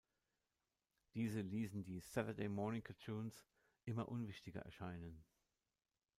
Diese ließen die "Saturday morning cartoons" immer unwichtiger erscheinen.